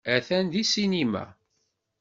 Attan deg ssinima.